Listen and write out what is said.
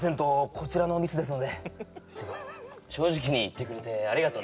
こちらのミスですので正直に言ってくれてありがとね